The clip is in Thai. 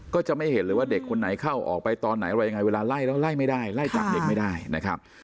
ก็จะไม่เห็นเลยว่าเด็กคนไหนเข้าออกไปตอนไหนอะไรยังไงเวลาไล่แล้วไล่ไม่ได้ไล่จับเด็กไม่ได้นะครับ